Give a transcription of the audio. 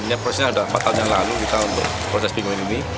ini prosesnya sudah empat tahun yang lalu kita untuk proses pinguin ini